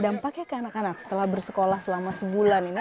dampaknya ke anak anak setelah bersekolah selama sebulan ini